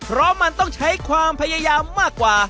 เพราะมันต้องใช้ความพยายามมากกว่า